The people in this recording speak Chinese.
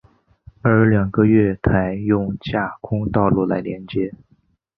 而两个月台用架空道路来连接。